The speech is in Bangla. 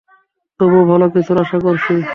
তবুও ভালো কিছুর আশা করছি।